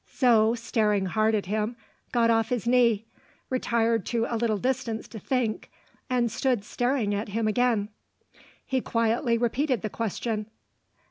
Zo, staring hard at him, got off his knee; retired to a little distance to think; and stood staring at him again. He quietly repeated the question.